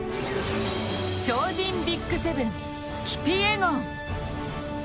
超人ＢＩＧ７、キピエゴン。